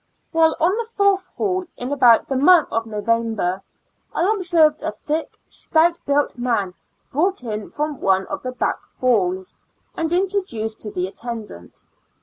While on the fourth hall, in about the month of Novem ber, I observed a thick, stout built man brought in from one of the back halls, and introduced to the attendant.